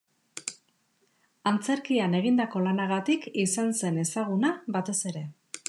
Antzerkian egindako lanagatik izan zen ezaguna batez ere.